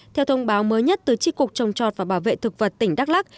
theo thông báo mới nhất từ tri cục trồng trọt và bảo vệ thực vật tỉnh đắk lắc